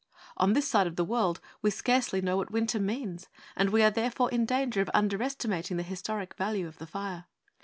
On this side of the world we scarcely know what winter means, and we are therefore in danger of underestimating the historic value of the fire.